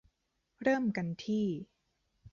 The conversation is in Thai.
เริ่มกันที่